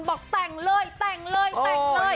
บอกแต่งเลยแต่งเลยแต่งเลย